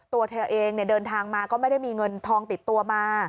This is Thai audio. ตัวเธอเองเดินทางมาก็ไม่ได้มีเงินทองติดตัวมา